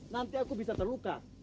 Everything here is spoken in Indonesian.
nanti aku bisa terluka